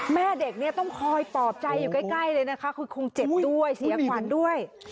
แม่เด็กเนี่ยต้องคอยปลอบใจอยู่ใกล้เลยนะคะคือคงเจ็บด้วยเสียขวัญด้วย